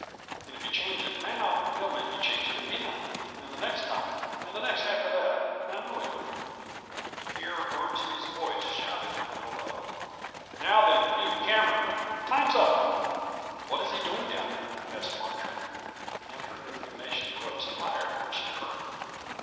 And if you change it now, he'll make you change it again, and the next time, and the next after that — I know he will 1 " Here Ormsby's voice shouted from below, "Now then, you, Cameron, time's up 1 "" What is he doing down there ?" asked Marjory, and her indignation rose higher when she heard.